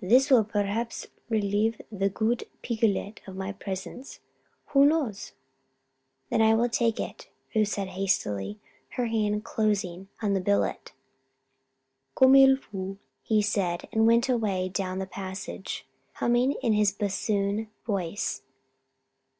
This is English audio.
this will perhaps relieve the good Picolet of my presence who knows?" "Then I will take it," Ruth said, hastily, her hand closing on the billet. "Comme il faut," he said, and went away down the passage, humming in his bassoon voice.